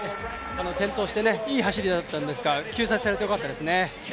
転倒していい走りだったんですが救済されてよかったですね。